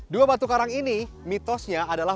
dua batu karang ini mitosnya adalah